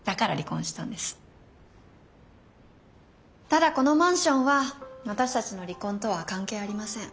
ただこのマンションは私たちの離婚とは関係ありません。